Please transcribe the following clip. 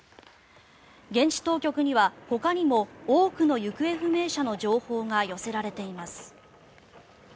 現地当局にはほかにも多くの行方不明者の情報が寄せられています。